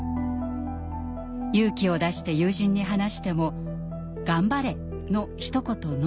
勇気を出して友人に話しても「頑張れ！」のひと言のみ。